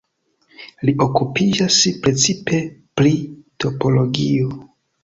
Li okupiĝas precipe pri topologio.